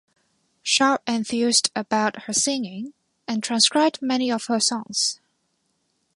Sharp enthused about her singing and transcribed many of her songs.